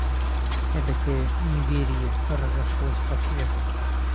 Эдакое неверье разошлось по свету!